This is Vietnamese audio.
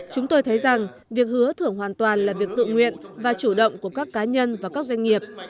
chúng tôi thấy rằng việc hứa thưởng hoàn toàn là việc tự nguyện và chủ động của các cá nhân và các doanh nghiệp